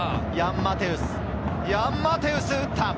ヤン・マテウス、打った！